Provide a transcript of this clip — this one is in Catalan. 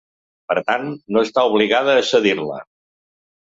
Per tant, no està obligada a cedir-la.